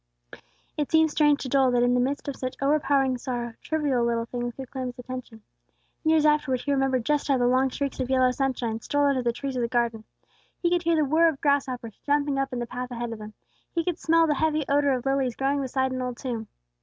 It seemed strange to Joel that, in the midst of such overpowering sorrow, trivial little things could claim his attention. Years afterward he remembered just how the long streaks of yellow sunshine stole under the trees of the garden; he could hear the whirr of grasshoppers, jumping up in the path ahead of them; he could smell the heavy odor of lilies growing beside an old tomb.